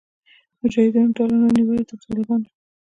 د مجاهدینو د ډلو نه نیولې تر طالبانو